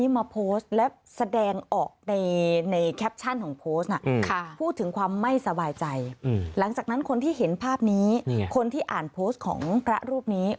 ไม่สบายใจหลังจากนั้นคนที่เห็นภาพนี้คนที่อ่านโพสต์ของพระรูปนี้